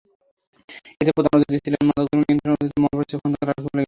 এতে প্রধান অতিথি ছিলেন মাদকদ্রব্য নিয়ন্ত্রণ অধিদপ্তরের মহাপরিচালক খন্দকার রাকিবুর রহমান।